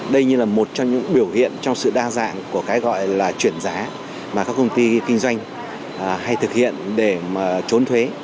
đây như là một trong những biểu hiện trong sự đa dạng của cái gọi là chuyển giá mà các công ty kinh doanh hay thực hiện để mà trốn thuế